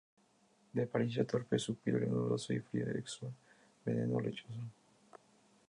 De apariencia torpe, su piel granulosa y fría exuda un veneno lechoso.